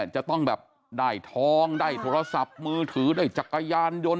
จะต้องแบบได้ทองได้โทรศัพท์มือถือได้จักรยานยนต์